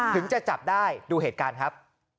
ถึงจะจับได้ดูเหตุการณ์ครับ